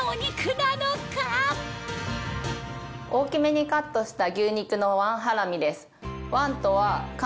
大きめにカットした牛肉のワンハラミです。